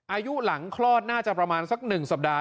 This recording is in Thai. อายุหลังคลอดน่าจะประมาณสัก๑สัปดาห